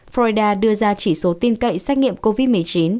florida đưa ra chỉ số tin cậy xét nghiệm covid một mươi chín